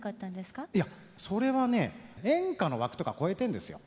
いやそれはね演歌の枠とか超えてんですよ。